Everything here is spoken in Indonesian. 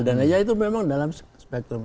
dan ya itu memang dalam spektrumnya